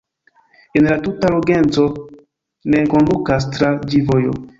En la tuta longeco ne kondukas tra ĝi vojo.